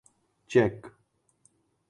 check